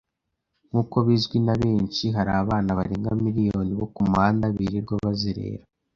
Nkuko bizwi na benshi hari abana barenga miliyoni bo k’umuhanda birirwa bazerera